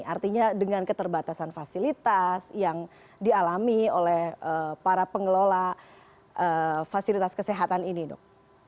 artinya dengan keterbatasan fasilitas yang dialami oleh para pengelola fasilitas kesehatan ini dok